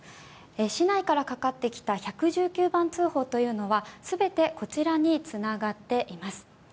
市内からかかってきた１１９番通報は全てこちらにつながっています。